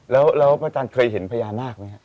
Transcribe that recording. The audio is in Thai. แล้วพระอาจารย์เคยเห็นพญานาคไหมครับ